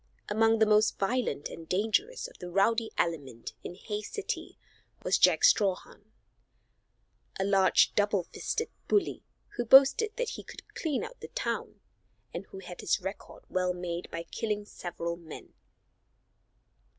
Among the most violent and dangerous of the rowdy element in Hays City was Jack Strawhan, a large, double fisted bully who boasted that he could clean out the town, and who had his record well made by killing several men.